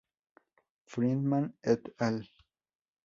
Friedman et al.